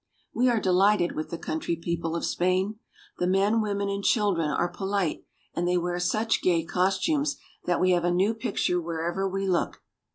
We are delighted with the country people of Spain. The men, women, and children are polite, and they wear such gay costumes that we have a new picture wherever we look.